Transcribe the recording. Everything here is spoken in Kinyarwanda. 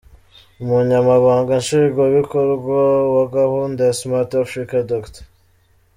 Umunyamabanga nshingwabikorwa wa gahunda ya Smart Africa, Dr.